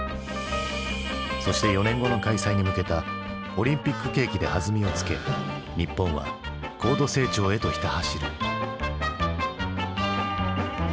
そして４年後の開催に向けたオリンピック景気で弾みをつけ日本は高度成長へとひた走る。